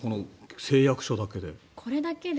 誓約書だけで。